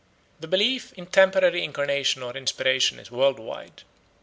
The belief in temporary incarnation or inspiration is world wide.